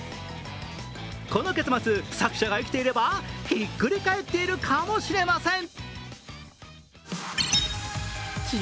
この結末、作者が生きていればひっくり返っているかもしれません。